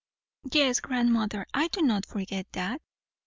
"Yes, grandmother. I do not forget that."